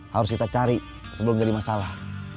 harus kita cari sebelum jadi masalah